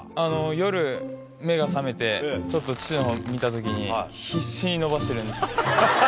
夜、目が覚めて、ちょっと父のほう見たときに、必死に伸ばしてるんですよ。